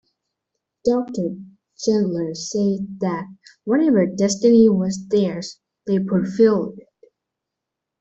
Dr. Chandler says that "whatever destiny was theirs, they fulfilled it.